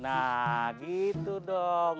nah gitu dong